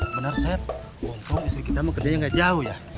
bener seth untung istri kita mah kerjanya gak jauh ya